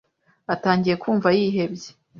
Atangiye kumva yihebye.